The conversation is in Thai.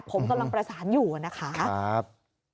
ผมกำลังประสานอยู่นะคะ